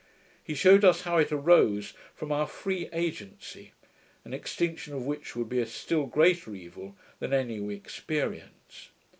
He shewed us how it arose from our free agency, an extinction of which would be a still greater evil than any we experience.